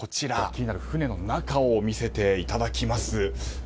気になる船の中を見ていきます。